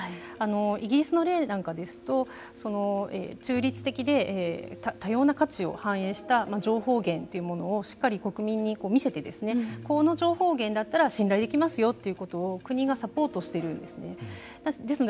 イギリスの例なんかですと中立的で多様な価値を反映した情報源というものをしっかり国民に見せてこの情報源だったら信頼できますよということを国がサポートしているんですね。